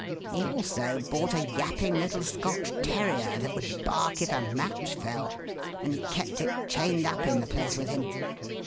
He also bought a yapping little Scotch terrier that would bark if a match fell, and kept it chained up in the place with him.